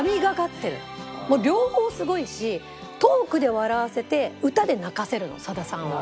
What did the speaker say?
もう両方すごいしトークで笑わせて歌で泣かせるのさださんは。